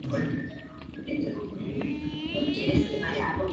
Así es.